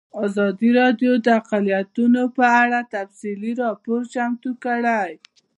ازادي راډیو د اقلیتونه په اړه تفصیلي راپور چمتو کړی.